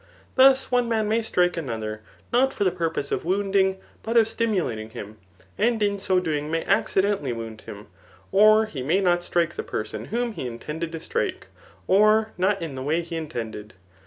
Thus one man may strike another not for the purpose of wounding, but of stimulating him, and in so doing may accidentally wound him ; or he may not strike the person whom he intended to strike, or not in the way he intend ed.